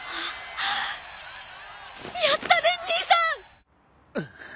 やったね兄さん！